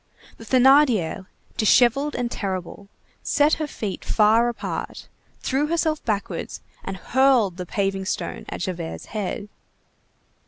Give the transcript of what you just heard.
The Thénardier, dishevelled and terrible, set her feet far apart, threw herself backwards, and hurled the paving stone at Javert's head.